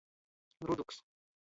Ruduks.